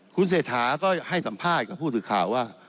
คุณเศรษฐาก็ให้สัมภาษณ์กับผู้สื่อข่าวว่า